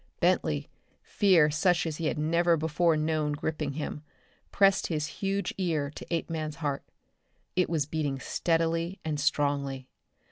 Bentley, fear such as he had never before known gripping him, pressed his huge ear to Apeman's heart. It was beating steadily and strongly.